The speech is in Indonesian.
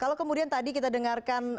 kalau kemudian tadi kita dengarkan